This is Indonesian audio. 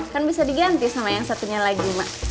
kan bisa diganti sama yang satunya lagi